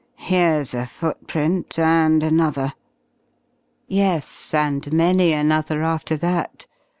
Here's a footprint, and another." Yes, and many another after that.